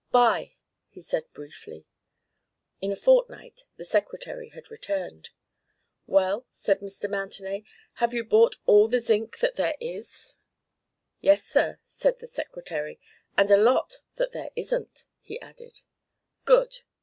"Buy!" he said briefly. In a fortnight the secretary had returned. "Well," said Mr. Mountenay, "have you bought all the zinc that there is?" "Yes, Sir," said the Secretary. "And a lot that there isn't," he added. "Good!"